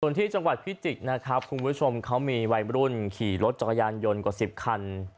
ส่วนที่จังหวัดพิจิตรนะครับคุณผู้ชมเขามีวัยรุ่นขี่รถจักรยานยนต์กว่า๑๐คัน